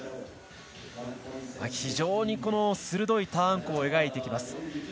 非常に鋭いターン弧を描いてきます。